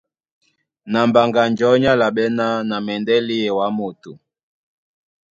Na Mbaŋganjɔ̌ ní álaɓɛ́ ná : Na mɛndɛ́ léɛ wǎ moto.